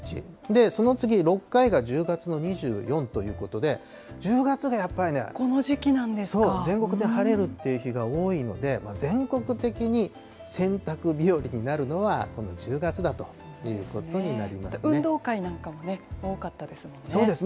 その次、６回が１０月の２４ということで、１０月がやっぱりね、そう、全国的に晴れるという日が多いので、全国的に洗濯日和になるのは、この１０月だという運動会なんかもね、多かったそうですね。